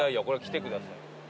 これ来てください。